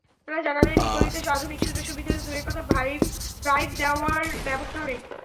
তাঁরা জানালেন, নিকলীতে আধুনিক সুযোগ-সুবিধাতো দূরের কথা, ডাইভ দেওয়ার ব্যবস্থাও নেই।